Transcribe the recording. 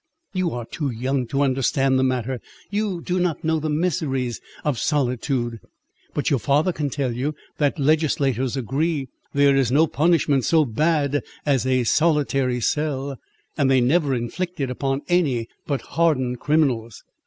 "You are too young to understand the matter; you do not know the miseries of solitude; but your father can tell you, that legislators agree, there is no punishment so bad as a solitary cell, and they never inflict it upon any but hardened criminals."